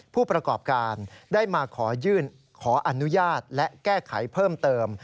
ผู้ประกอบการได้มาขอยื่นขออนุญาตและแก้ไขเพิ่มเติม